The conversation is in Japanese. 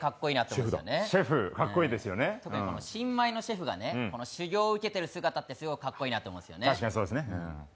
特に新米のシェフが修業を受けている姿ってすごいかっこいいなって思うんですね。